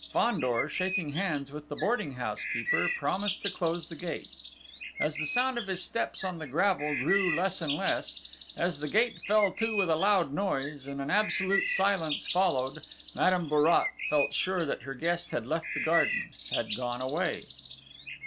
Fandor, shaking hands with the boarding house keeper, promised to close the gate. As the sound of his steps on the gravel grew less and less, as the gate fell to with a loud noise, and an absolute silence followed, Madame Bourrat felt sure that her guest had left the garden had gone away.